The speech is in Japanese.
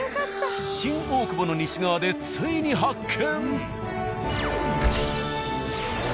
新大久保の西側でついに発見！